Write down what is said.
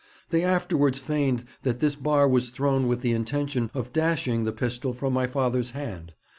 They afterwards feigned that this bar was thrown with the intention of dashing the pistol from my father's hand.